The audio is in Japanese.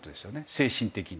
精神的に。